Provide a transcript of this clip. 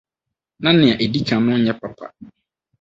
Ná nea edi kan no nyɛ papa.